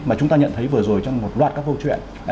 mà chúng ta nhận thấy vừa rồi trong một loạt các câu chuyện